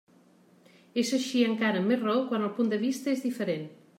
És així encara amb més raó quan el punt de vista és diferent.